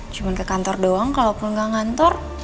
cuman ke kantor doang kalaupun gak ngantor